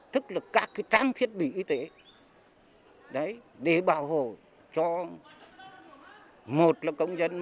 tức là các trang thiết bị y tế để bảo hộ cho một là công dân